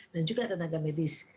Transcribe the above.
dan juga tenaga medis